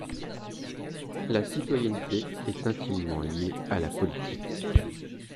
La citoyenneté est intimement liée à la politique.